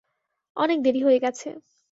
অনেক দেরি হয়ে গেছে!